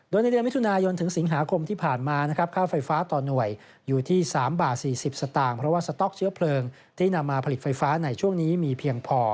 โดยในเดือนมิถุนายนถึงสิงหาคมที่ผ่านมานะครับค่าไฟฟ้าต่อหน่วยอยู่ที่๓บาท๔๐สตางค์เพราะว่าสต๊อกเชื้อเพลิงที่นำมาผลิตไฟฟ้าในช่วงนี้มีเพียงพอ